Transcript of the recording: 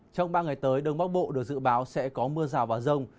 trong ba ngày tới đông bắc bộ được dự báo sẽ có mưa rào và rông